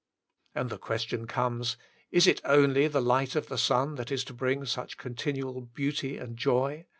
And the question comes, Is it only the light of the sun that is to bring such continual beauty and joy